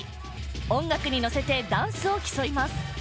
音楽にのせてダンスを競います